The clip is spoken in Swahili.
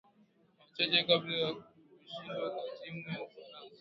Machache kabla ya kushindwa kwa timu ya Ufaransa